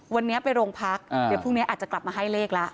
วันนี้ไปโรงพักเดี๋ยวพรุ่งนี้อาจจะกลับมาให้เลขละ